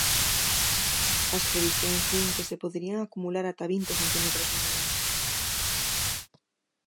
As previsións din que se poderían acumular ata vinte centímetros de neve.